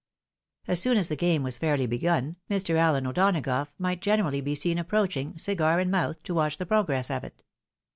As soon as the game was fairly begun, Mr. Allen O'Dona gough might generally be seen approaching, cigar in mouth, to watch the progress of it.